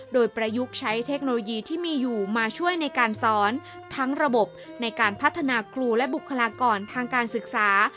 โดยประยุกต์ใช้เทคโนโลยีที่มีอยู่มาช่วยในการสอนทั้งระบบในการพัฒนาครูและบุคลากรทางการศึกษา